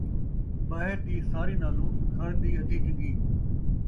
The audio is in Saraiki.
ٻاہر دی ساری نالوں، گھر دی ادھی چنڳی